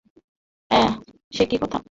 অ্যাঁ, সে কী কথা।